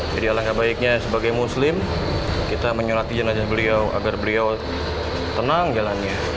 jadi alangkah baiknya sebagai muslim kita menyulati jenazah beliau agar beliau tenang jalannya